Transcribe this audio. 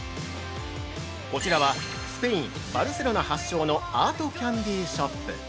◆こちらはスペイン・バルセロナ発祥のアート・キャンディ・ショップ。